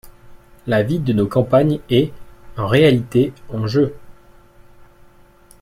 La vie de nos campagnes est, en réalité, en jeu.